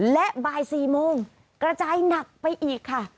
และบ่าย๔โมงกระจายหนักไปอีกค่ะ